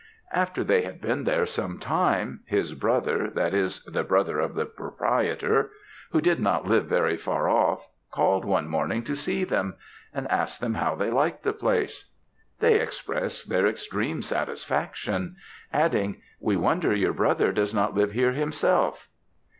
"After they had been there some time, his brother, that is, the brother of the proprietor, who did not live very far off, called one morning to see them; and asked them how they liked the place. They expressed their extreme satisfaction; adding, 'We wonder your brother does not live here himself.'